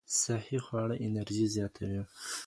صحي خواړه انرژي زیاتوي.